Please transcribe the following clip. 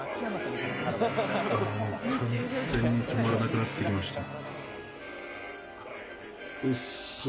完全に止まらなくなってきました。